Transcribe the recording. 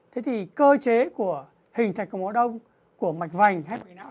thế thì cơ chế của hình thành cục máu đông của mạch vành hay mạch não